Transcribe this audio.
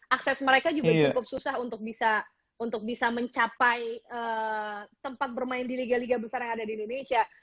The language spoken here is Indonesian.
akses mereka juga cukup susah untuk bisa mencapai tempat bermain di liga liga besar yang ada di indonesia